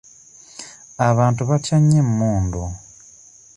Abantu batya nnyo emmundu.